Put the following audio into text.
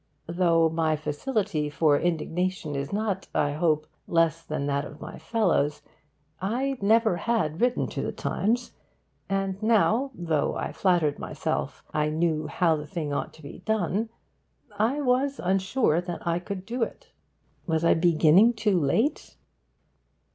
Though my facility for indignation is not (I hope) less than that of my fellows, I never had written to The Times. And now, though I flattered myself I knew how the thing ought to be done, I was unsure that I could do it. Was I beginning too late?